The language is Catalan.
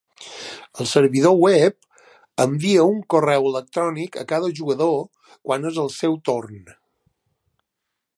El servidor web envia un correu electrònic a cada jugador quan és el seu torn.